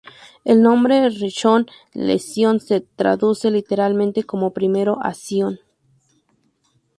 El nombre Rishon LeZion se traduce literalmente como ‘primero a Sion’.